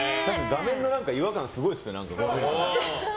画面の違和感すごいですね。